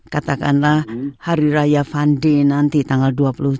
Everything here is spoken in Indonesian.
katakanlah hari raya fande nanti tanggal dua puluh tujuh